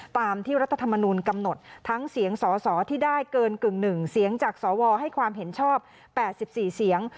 ตามที่รัฐธรรมนูลกำหนดทั้งเสียงสอสอที่ได้เกินกึ่งหนึ่งเสียงจากสวให้ความเห็นชอบ๘๔เสียง